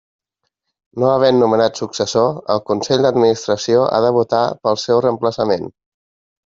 No havent nomenat successor, el consell d'administració ha de votar pel seu reemplaçament.